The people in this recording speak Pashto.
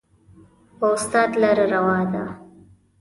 و استاد لره روا ده